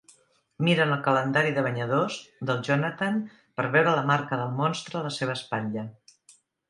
Miren el calendari de banyadors del Jonathan per veure la marca del monstre a la seva espatlla.